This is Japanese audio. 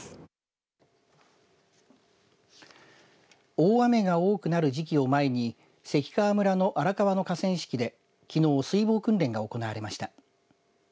大雨が多くなる時期を前に関川村の荒川の河川敷できのう水防訓練が行われました。